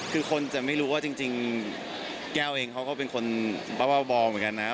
คือคนจะไม่รู้ว่าจริงแก้วเองเขาก็เป็นคนบ้าเหมือนกันนะ